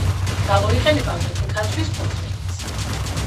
გამოიყენება აგრეთვე ქაცვის ფოთლებიც.